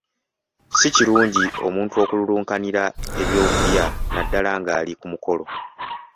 Si kirungi omuntu okululunkanira ebyokulya naddala nga ali ku mukolo.